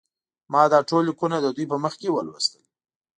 ما دا ټول لیکونه د دوی په مخ کې ولوستل.